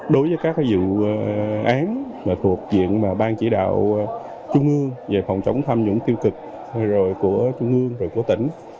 đối với các vụ án thuộc viện ban chỉ đạo trung ương về phòng chống tham nhũng tiêu cực của trung ương và của tỉnh